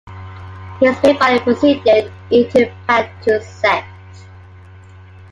His main body proceeded into the Patuxent.